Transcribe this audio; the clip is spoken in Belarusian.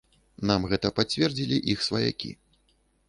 Нам гэта пацвердзілі іх сваякі.